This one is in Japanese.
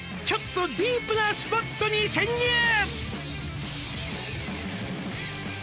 「ちょっとディープなスポットに潜入！」